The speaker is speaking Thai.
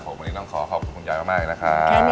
ผมรึไม่ได้ลองขอขอบคุณคุณยายมากนะคะ